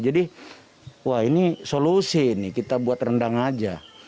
wah ini solusi ini kita buat rendang aja